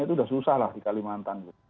itu sudah susah lah di kalimantan